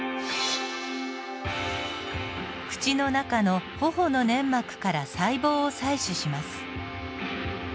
口の中のほほの粘膜から細胞を採取します。